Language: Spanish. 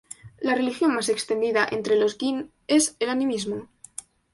La religión más extendida entre los gin es el animismo.